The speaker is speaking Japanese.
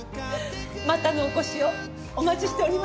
またのお越しをお待ちしております。